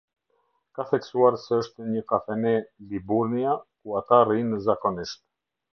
Ka theksuar se është një kafene "Liburnia" ku ata rrinë zakonisht.